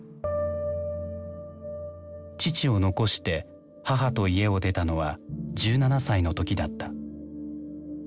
父を残して母と家を出たのは１７歳の時だった。